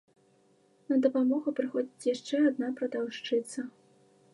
На дапамогу прыходзіць яшчэ адна прадаўшчыца.